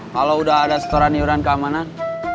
kalau udah ada setoran setoran keamanan